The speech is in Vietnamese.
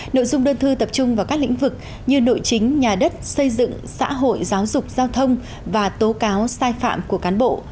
nội dung đơn thư tập trung vào các lĩnh vực như nội chính nhà đất xây dựng xã hội giáo dục giao thông và tố cáo sai phạm của cán bộ